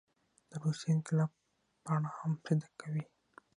د روسیې انقلاب په اړه هم صدق کوي.